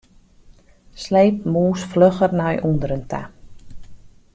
Sleep mûs flugger nei ûnderen ta.